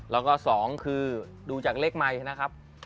แล้วก็๒คือดูจากเลขไมค์นะครับ